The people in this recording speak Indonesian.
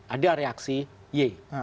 ada reaksi y